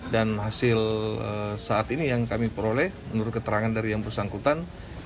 dan hasil saat ini yang kami peroleh menurut keterangan dari yang bersangkutan